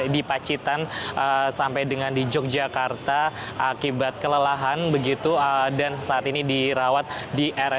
di pacitan sampai dengan di yogyakarta akibat kelelahan begitu dan saat ini dirawat di rspad gatot subroto jakarta